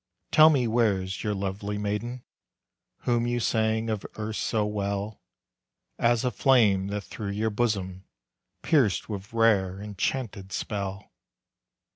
"Tell me where's your lovely maiden, Whom you sang of erst so well, As a flame that through your bosom Pierced with rare, enchanted spell."